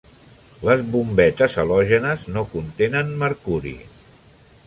Les bombetes halògenes no contenen de mercuri.